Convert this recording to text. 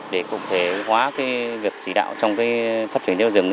để cụ thể hóa việc chỉ đạo trong phát triển kinh tế đồi rừng